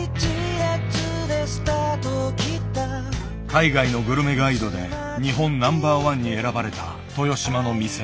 海外のグルメガイドで日本ナンバーワンに選ばれた豊島の店。